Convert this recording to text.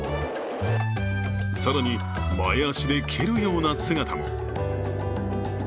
更に、前足で蹴るような姿も。